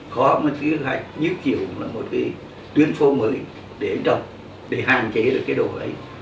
khó mà cứ như kiểu là một cái tuyến phố mới để trồng để hàng chế được cái đồ ấy